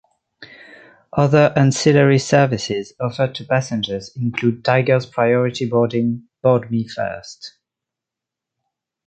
Other ancillary services offered to passengers include Tiger's priority boarding "BoardMeFirst".